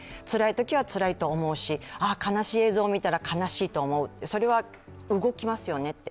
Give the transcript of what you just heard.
つらいときはつらいと思うし、悲しい映像を見たら悲しいと思う、それは動きますよね。